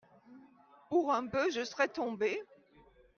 Pour un peu, je serais tombé.